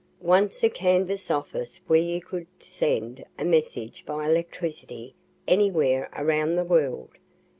Once, a canvas office where you could send a message by electricity anywhere around the world!